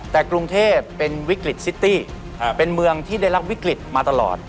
แต่กรุงเทพเป็นวิกฤตซิตี้เป็นเมืองที่ได้รับวิกฤตมาตลอด